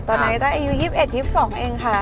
ตอนนี้ต้าอายุ๒๑๒๒เองค่ะ